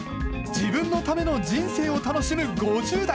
自分のための人生を楽しむ５０代。